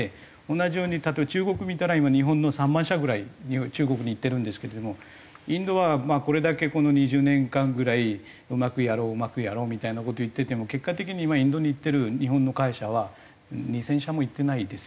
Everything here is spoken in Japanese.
同じように例えば中国見たら今日本の３万社ぐらい中国に行ってるんですけれどもインドはこれだけこの２０年間ぐらいうまくやろううまくやろうみたいな事言ってても結果的に今インドに行ってる日本の会社は２０００社もいってないですよ。